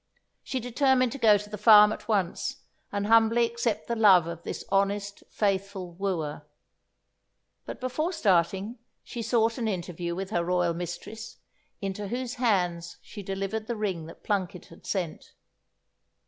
She determined to go to the farm at once, and humbly accept the love of this honest, faithful wooer; but before starting she sought an interview with her royal mistress, into whose hands she delivered the ring that Plunket had sent.